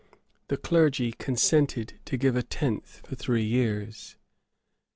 The clergy consented to give a tenth for three years.